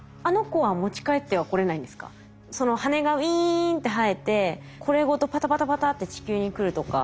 羽がウイーンって生えてこれごとパタパタパタって地球に来るとか。